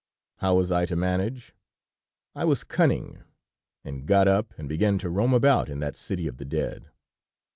How was I to manage? I was cunning, and got up, and began to roam about in that city of the dead.